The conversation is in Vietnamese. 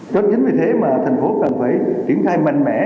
cho chính vì thế mà thành phố cần phải triển khai mạnh mẽ